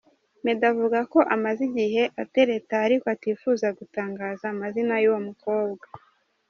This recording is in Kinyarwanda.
Meddy avuga ko amaze igihe atereta ariko atifuza gutangaza amazina y’uwo mukobwa.